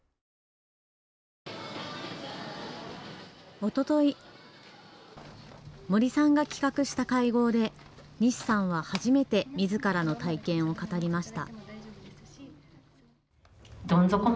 おととい、森さんが企画した会合で西さんは初めてみずからの体験を語りました。